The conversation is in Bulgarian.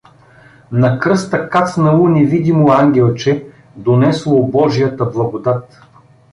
На кръста кацнало невидимо ангелче, донесло божията благодат.